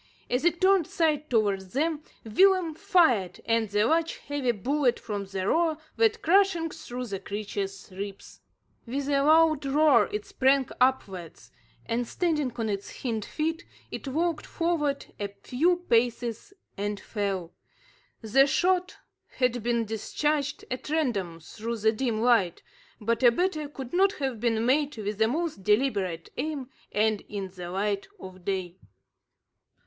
As it turned side towards them, Willem fired, and the large heavy bullet from the roer went crashing through the creature's ribs. With a loud roar it sprang upwards; then, standing on its hind feet, it walked forward a few paces and fell. The shot had been discharged at random through the dim light, but a better could not have been made with the most deliberate aim, and in the light of day.